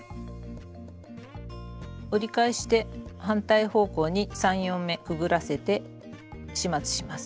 折り返して反対方向に３４目くぐらせて始末します。